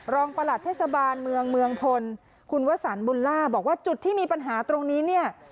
ประหลัดเทศบาลเมืองเมืองพลคุณวสันบุญล่าบอกว่าจุดที่มีปัญหาตรงนี้เนี่ย